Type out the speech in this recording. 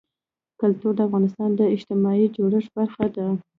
کلتور د افغانستان د اجتماعي جوړښت برخه ده.